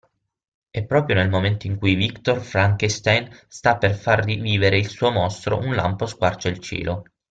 E proprio nel momento in cui Viktor Frankenstein sta per far rivivere il suo mostro un lampo squarcia il cielo.